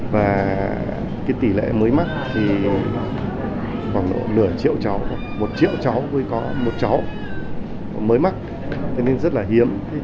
và cái tỷ lệ mới mắc thì khoảng nửa triệu cháu một triệu cháu với có một cháu mới mắc thế nên rất là hiếm